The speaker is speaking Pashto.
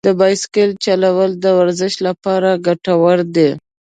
د بایسکل چلول د ورزش لپاره ګټور دي.